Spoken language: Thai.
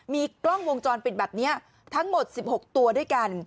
มีกล้องวงจรปิดแบบนี้ทั้งหมด๑๖ตัวด้วยกัน